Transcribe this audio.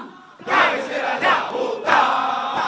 jangan kisah kisah jangan putar